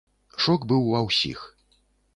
Шок быў ва ўсіх.